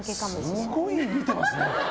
すごい見てますね。